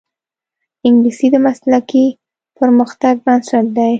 انګلیسي د مسلکي پرمختګ بنسټ دی